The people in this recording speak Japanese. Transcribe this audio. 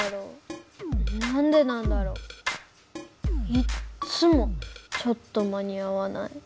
いっつもちょっと間に合わない。